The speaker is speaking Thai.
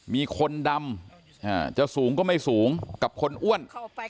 มีคนดำจะสูงก็ไม่สูงกับคนอ้วน